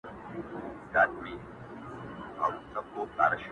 څوک یې وړونه څه خپلوان څه قریبان دي-